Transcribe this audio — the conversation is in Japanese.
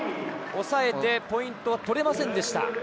抑えてポイントは取れませんでした。